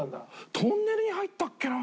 トンネルに入ったっけなあ。